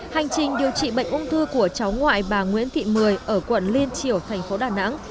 hành trình điều trị bệnh ung thư của cháu ngoại bà nguyễn thị mười ở quận liên triểu thành phố đà nẵng